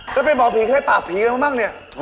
แล้วเป็นหมอผีเคยตาผีเนี่ยมั้ง